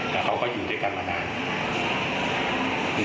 แต่เขาก็อยู่ด้วยกันมานาน